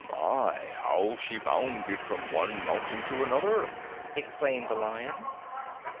"My, how she bounded from one mountain to another!" exclaimed the Lion.